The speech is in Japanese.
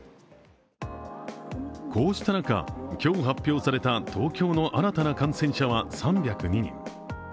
こうした中、今日発表された東京の新たな感染者は３０２人。